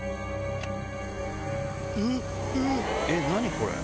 何これ！